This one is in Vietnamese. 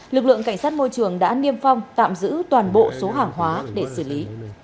lực lượng cảnh sát môi trường đã niêm phong tạm giữ toàn bộ số hàng hóa để xử lý